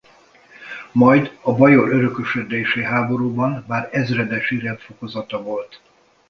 Majd a Bajor örökösödési háborúban már ezredesi rendfokozata volt.